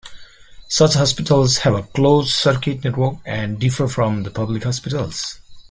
Such hospitals have a closed circuit network and differ from the public hospitals.